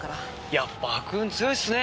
やっぱ悪運強いっすね。